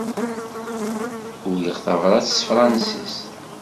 Uriɣ tabrat s tefransist.